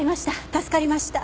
助かりました。